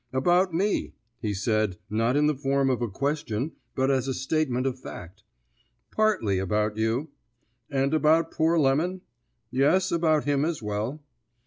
"About me," he said, not in the form of a question but as a statement of fact. "Partly about you." "And about poor Lemon?" "Yes, about him as well."